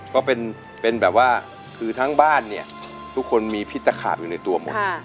ก็เป็นแบบว่าคือทั้งบ้านเนี่ยทุกคนมีพิษตะขาบอยู่ในตัวหมด